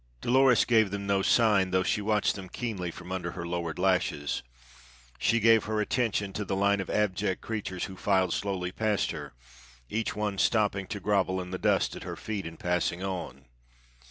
Dolores gave them no sign, though she watched them keenly from under her lowered lashes. She gave her attention to the line of abject creatures who filed slowly past her, each one stopping to grovel in the dust at her feet and passing on.